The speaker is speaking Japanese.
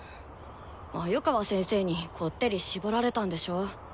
鮎川先生にこってりしぼられたんでしょ？